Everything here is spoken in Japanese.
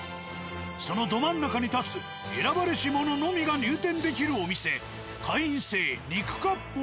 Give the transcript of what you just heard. そのど真ん中に建つ選ばれし者のみが入店できるお店。